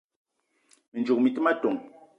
Mi ndzouk mi te ma ton: